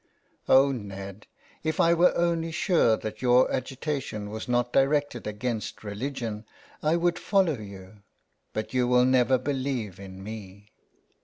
*' Oh, Ned, if I were only sure that your agitation was not directed against religion I would follow you. But you will never believe in me.''